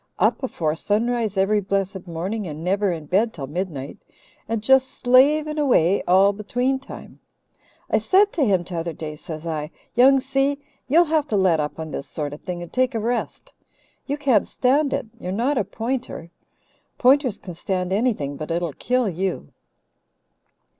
Up afore sunrise every blessed morning and never in bed till midnight, and just slaving away all between time. I said to him t'other day, says I: 'Young Si, you'll have to let up on this sort of thing and take a rest. You can't stand it. You're not a Pointer. Pointers can stand anything, but it'll kill you.'